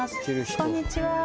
こんにちはー。